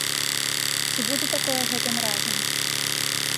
Ці будзе такое гэтым разам?